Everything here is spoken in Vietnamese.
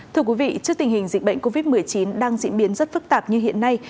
thưa quý vị trước tình hình dịch bệnh covid một mươi chín đang diễn biến rất phức tạp như hiện nay